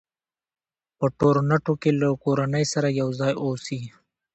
په ټورنټو کې له کورنۍ سره یو ځای اوسي.